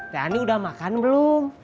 teh ani udah makan belum